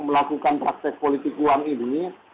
melakukan praktek politik uang ini